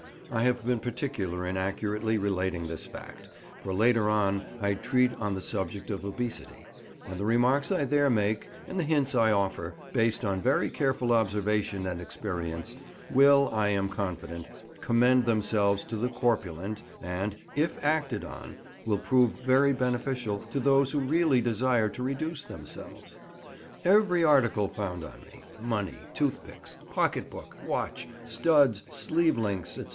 I have been particular in accurately relating this fact, for later on I treat on the subject of obesity; and the remarks I there make, and the hints I offer, based on very careful observation and experience, will, I am confident, commend themselves to the corpulent, and, IF ACTED ON, will prove very beneficial to those who really desire to reduce themselves. Every article found on me—money, toothpicks, pocket book, watch, studs, sleeve links, &c.